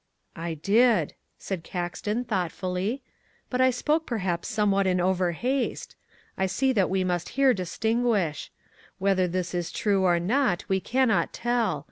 "I did," said Caxton thoughtfully, "but I spoke perhaps somewhat in overhaste. I see that we must here distinguish. Whether this is true or not we cannot tell.